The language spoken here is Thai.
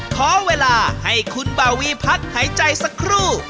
ขอเวลาให้คุณบาวีพักหายใจสักครู่